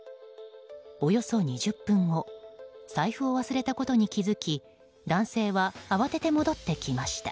およそ２０分後財布を忘れたことに気づき男性は慌てて戻ってきました。